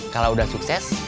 kalau udah sukses